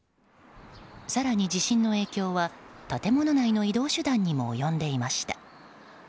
更に地震の影響は建物内の移動手段にも及んでいました。